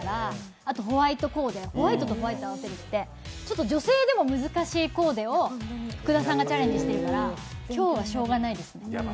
あとホワイトコーデ、ホワイトとホワイトを合わせるってちょっと女性でも難しいコーデを福田さんがチャレンジしているから、今日はしょうがないですね。